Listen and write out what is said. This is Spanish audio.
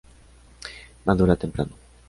Madura temprano.